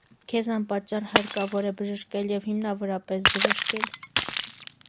քեզ անպատճառ հարկավոր է բժշկել և հիմնավորապես բժշկել: